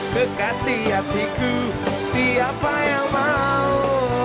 kekasih hatiku siapa yang mau